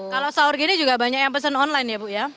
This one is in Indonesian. kalau sahur gini juga banyak yang pesen online ya bu ya